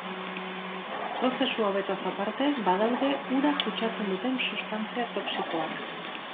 Prozesu hauetaz aparte badaude ura kutsatzen duten substantzia toxikoak.